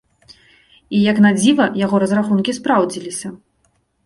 І, як надзіва, яго разрахункі спраўдзіліся.